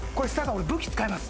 俺武器使います